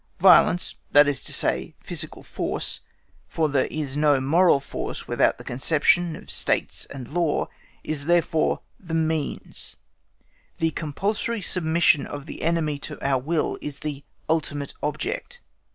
Violence, that is to say, physical force (for there is no moral force without the conception of States and Law), is therefore the means; the compulsory submission of the enemy to our will is the ultimate object.